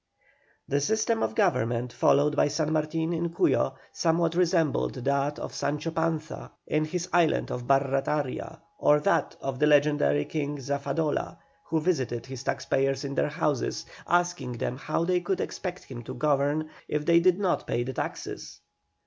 The system of government followed by San Martin in Cuyo somewhat resembled that of Sancho Panza in his island of Barrataria, or that of the legendary King Zafadola, who visited his taxpayers in their houses, asking them how they could expect him to govern if they did not pay the taxes?